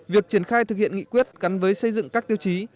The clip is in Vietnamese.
việc triển khai thực hiện nghị quyết gắn với xây dựng các tiêu chí